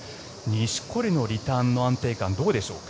錦織のリターンの安定感どうでしょうか。